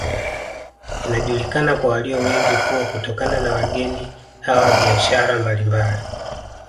Inajulikana kwa walio wengi kuwa kutokana na wageni hawa biashara mbalimbali